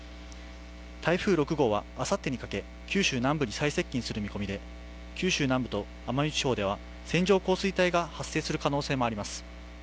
台風６号はあさってにかけて九州南部に最接近する見込みで、九州南部と奄美地方では線状降水帯が発生する可能性があります。